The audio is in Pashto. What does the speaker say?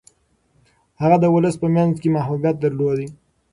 هغه د ولس په منځ کي محبوبیت درلود.